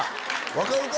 分かるか？